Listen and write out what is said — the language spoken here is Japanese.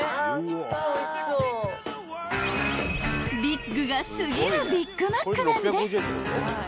［ビッグが過ぎるビッグマックなんです］